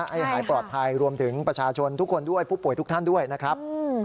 ให้หายปลอดภัยรวมถึงประชาชนทุกคนด้วยผู้ป่วยทุกท่านด้วยนะครับ